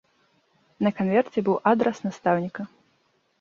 На канверце быў адрас настаўніка.